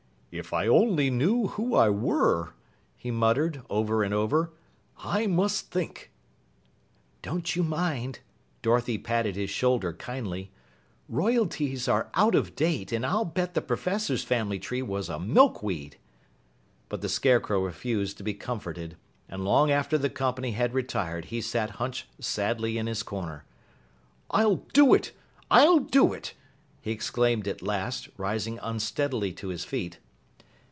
"If I only knew who I were!" he muttered over and over. "I must think!" "Don't you mind." Dorothy patted his shoulder kindly. "Royalties are out of date, and I'll bet the Professor's family tree was a milkweed!" But the Scarecrow refused to be comforted, and long after the company had retired he sat hunched sadly in his corner. "I'll do it! I'll do it!" he exclaimed at last, rising unsteadily to his feet.